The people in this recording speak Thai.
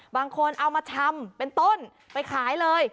บางคนเอามาทำเป็นต้นไปขายเลย